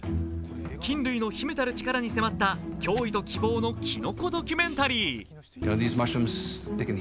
菌類の秘めたる力に迫った驚異と希望のきのこドキュメンタリー。